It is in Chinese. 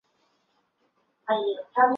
提防